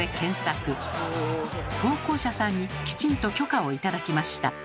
投稿者さんにきちんと許可を頂きました。